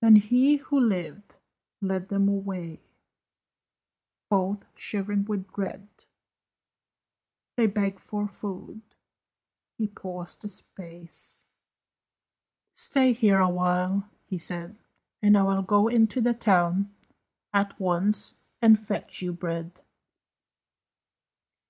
Then he who lived led them away, Both shivering with dread; They begged for food; he paused a space; "Stay here awhile," he said, "And I will go into the town At once, and fetch you bread."